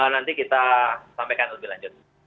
nanti kita sampaikan lebih lanjut